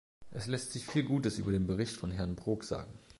Es lässt sich viel Gutes über den Bericht von Herrn Brok sagen.